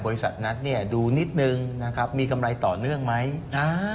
บริษัทนัดเนี่ยดูนิดนึงนะครับมีกำไรต่อเนื่องไหมอ่า